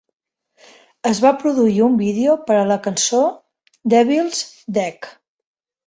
Es va produir un vídeo per a la cançó "Devil's Deck".